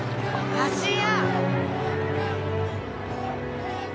芦屋！